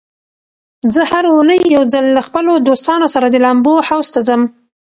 زه هره اونۍ یو ځل له خپلو دوستانو سره د لامبو حوض ته ځم.